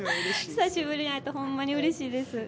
久しぶりに会えてほんまにうれしいです。